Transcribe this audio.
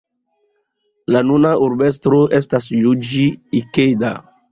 La nuna urbestro estas Juĝi Ikeda.